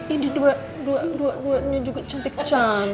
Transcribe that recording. ini dua duanya juga cantik